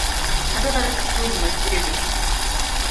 Adwaro sikul machiegni